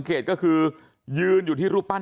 สวัสดีครับคุณผู้ชาย